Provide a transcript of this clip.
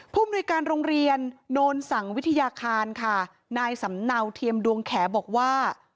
มนุยการโรงเรียนโนนสังวิทยาคารค่ะนายสำเนาเทียมดวงแขบอกว่า